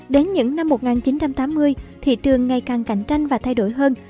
đến những năm một nghìn chín trăm tám mươi thị trường ngày càng cạnh tranh và thay đổi hơn